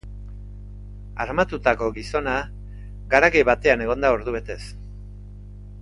Armatutako gizona garaje batean egon da ordubetez.